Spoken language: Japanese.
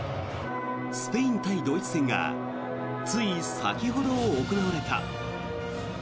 スペイン対ドイツ戦がつい先ほど行われた。